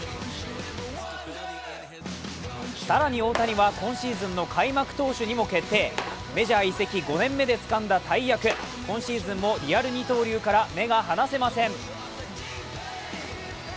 更に大谷は今シーズンの開幕投手にも決定、メジャー移籍５年目でつかんだ大役今シーズンもリアル二刀流から目が離せません。